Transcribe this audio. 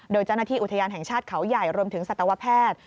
โดยเจ้าหน้าที่อุทยานแห่งชาติเขาใหญ่รวมถึงสัตวแพทย์